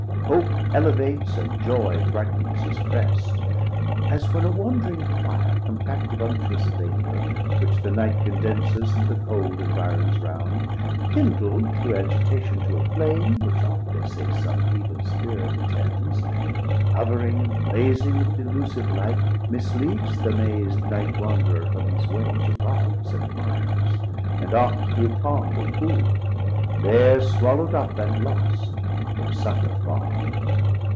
Hope elevates, and joy Bright'ns his Crest, as when a wandring Fire Compact of unctuous vapor, which the Night Condenses, and the cold invirons round, Kindl'd through agitation to a Flame, Which oft, they say, some evil Spirit attends, Hovering and blazing with delusive Light, Misleads th' amaz'd Night wanderer from his way 640 To Boggs and Mires, & oft through Pond or Poole, There swallow'd up and lost, from succour farr.